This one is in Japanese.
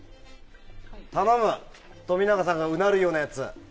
頼む冨永さんがうなるようなやつ。